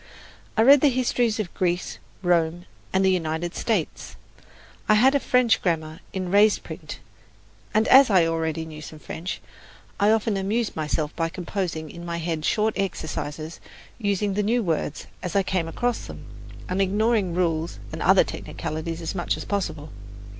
I read the histories of Greece, Rome and the United States. I had a French grammar in raised print, and as I already knew some French, I often amused myself by composing in my head short exercises, using the new words as I came across them, and ignoring rules and other technicalities as much as possible.